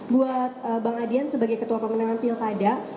buat bang adian sebagai ketua pemenangan pilkada